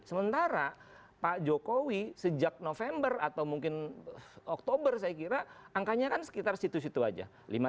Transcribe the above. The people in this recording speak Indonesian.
sementara pak jokowi sejak november atau mungkin oktober saya kira angkanya kan sekitar situ situ aja